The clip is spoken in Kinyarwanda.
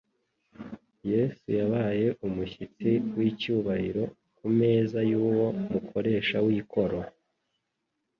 Yesu yabaye umushyitsi w'icyubahiro ku meza y'uwo mukoresha w'ikoro ;